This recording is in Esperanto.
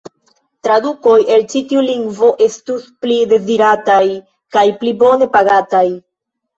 Tradukoj el ĉi tiu lingvo estus pli dezirataj kaj pli bone pagataj.